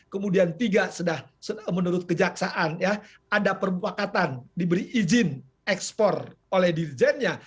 kemudian tiga sudah menurut kejaksaan ya ada perbuatan diberi izin ekspor oleh dirjennya